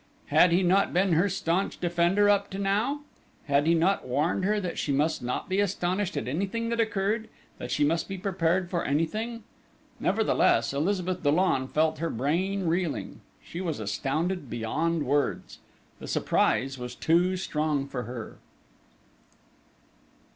Had he not been her staunch defender up to now? Had he not warned her that she must not be astonished at anything that occurred that she must be prepared for anything?... Nevertheless, Elizabeth Dollon felt her brain reeling she was astounded beyond words.... The surprise was too strong for her....